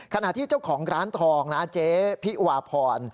ขณะที่เจ้าของร้านทองนะเจ๊พิวาพร